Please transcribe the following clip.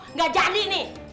nggak jadi nih